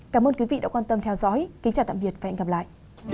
cảm ơn quý vị đã quan tâm theo dõi kính chào tạm biệt và hẹn gặp lại